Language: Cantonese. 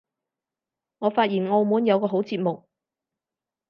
我發現澳門有個好節目